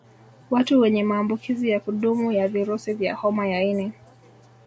Watu wenye maambukizi ya kudumu ya virusi vya homa ya ini